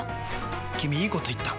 君いいこと言った！